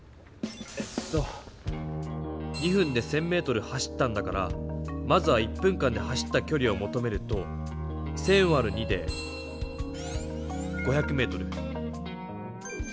えっと２分で１０００メートル走ったんだからまずは１分間で走ったきょりをもとめると１０００わる２で５００メートル。